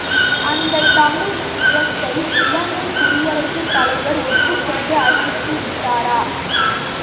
அந்தத் தமிழ் ஈழத்தை, இலங்கைக் குடியரசுத் தலைவர் ஒத்துக் கொண்டு அறிவித்து விட்டாரா?